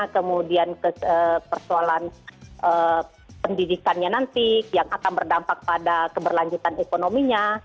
kemudian persoalan pendidikannya nanti yang akan berdampak pada keberlanjutan ekonominya